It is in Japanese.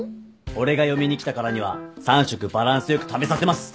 俺が嫁に来たからには３食バランス良く食べさせます。